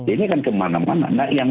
ini akan kemana mana nah yang